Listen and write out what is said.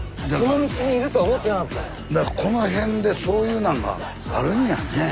この辺でそういうなんがあるんやねえ。